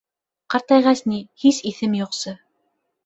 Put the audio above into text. Ҡартайғас ни, һис иҫем юҡсы...